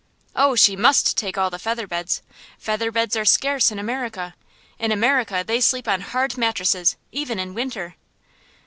Oh, she must take all the featherbeds! Featherbeds are scarce in America. In America they sleep on hard mattresses, even in winter.